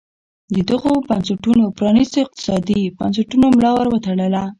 دغو بنسټونو پرانیستو اقتصادي بنسټونو ملا ور وتړله.